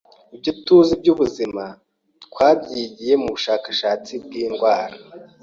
Ibyo tuzi byubuzima twabyigiye mubushakashatsi bwindwara.